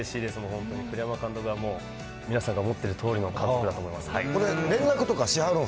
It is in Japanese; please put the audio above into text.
はい、もう、うれしいです、栗山監督が皆さんが思っているとおりの監督だと思います。